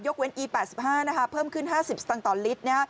ยกเว้นอีก๑๘๕นะคะเพิ่มขึ้น๕๐ตังต์ตอนลิต